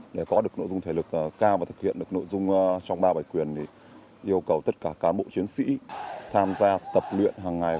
để có được nội dung thể lực cao và thực hiện được nội dung trong ba bài quyền yêu cầu tất cả cán bộ chiến sĩ tham gia tập luyện hàng ngày